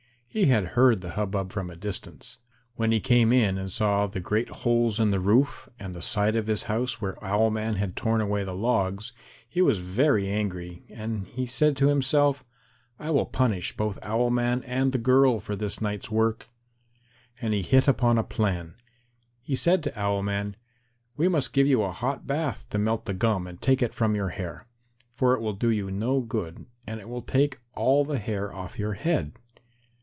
He had heard the hub bub from a distance. When he came in and saw the great holes in the roof and the side of his house where Owl man had torn away the logs, he was very angry and he said to himself, "I will punish both Owl man and the girl for this night's work." And he hit upon a plan. He said to Owl man, "We must give you a hot bath to melt the gum and take it from your hair, for it will do you no good, and it will take all the hair off your head."